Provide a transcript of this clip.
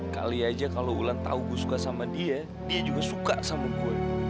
kali aja kalau ulan tahu gue suka sama dia dia juga suka sama gue